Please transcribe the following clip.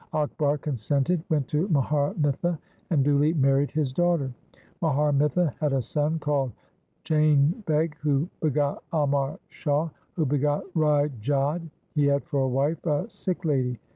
Akbar consented, went to Mahar Mitha, and duly married his daughter. Mahar Mitha had a son called Chain Beg, who begot Amar Shah, who begot Rai Jodh. He had for a wife a Sikh lady.